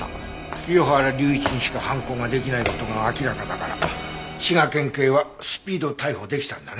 清原隆一にしか犯行ができない事が明らかだから滋賀県警はスピード逮捕できたんだね。